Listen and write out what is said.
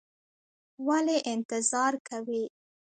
ولې انتظار کوې؟